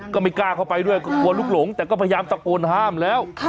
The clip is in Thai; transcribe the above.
ก็ไม่กล้าเข้าไปด้วยก็กลัวลูกหลงแต่ก็พยายามตะโกนห้ามแล้ว